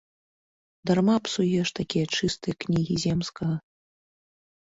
Дарма псуеш такія чыстыя кнігі земскага.